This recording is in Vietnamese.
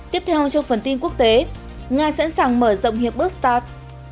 tiếp theo trong phần tin quốc tế nga sẵn sàng mở rộng hiệp ước start